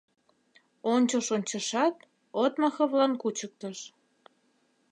Ончыш-ончышат, Отмаховлан кучыктыш.